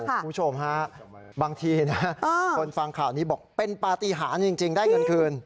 คุณผู้ชมฮะบางทีนะคนฟังข่าวนี้บอกเป็นปฏิหารจริงได้เงินคืน